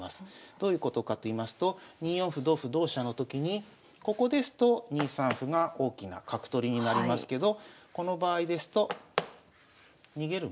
どういうことかといいますと２四歩同歩同飛車のときにここですと２三歩が大きな角取りになりますけどこの場合ですと逃げる道ができてますね。